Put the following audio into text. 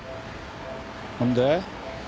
ほんで？